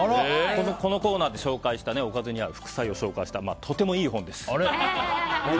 このコーナーで紹介したおかずに合う副菜を紹介したとてもいい本です。